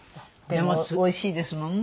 おいしいですもんね。